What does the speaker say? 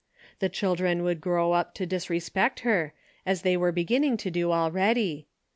The children would grow up to disrespect her, as they were beginning to do already.